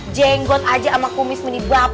jenggot aja sama kumis menibak